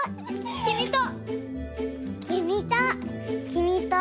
きみと！